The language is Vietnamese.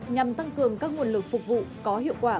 nhằm tăng cường các nguồn lực phục vụ có hiệu quả